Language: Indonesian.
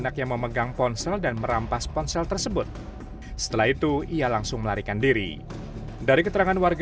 kamera sisi tv